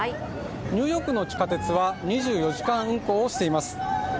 ニューヨークの地下鉄は２４時間運行をしています。